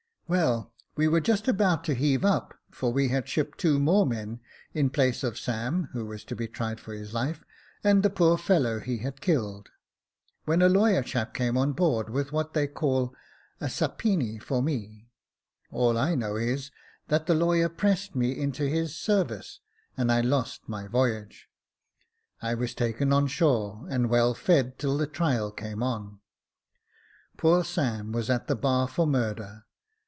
Well, we were just about to heave up, for we had shipped two more men in place of Sam, who was to be tried for his life, and the poor fellow he had killed, when a lawyer chap came on board with what they call a siippeny for me ; all I know is, that the lawyer pressed me into his service, and I lost my voyage. I was taken on shore, and well fed till the trial came on. Poor Sam was at the bar for murder.